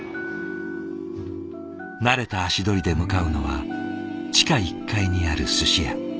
慣れた足取りで向かうのは地下１階にあるすし屋。